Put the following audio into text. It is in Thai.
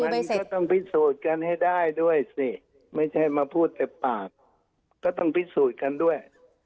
มันก็ต้องพิสูจน์กันให้ได้ด้วยสิไม่ใช่มาพูดแต่ปากก็ต้องพิสูจน์กันด้วย